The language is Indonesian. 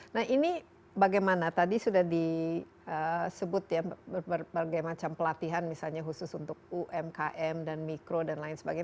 nah ini bagaimana tadi sudah disebut ya berbagai macam pelatihan misalnya khusus untuk umkm dan mikro dan lain sebagainya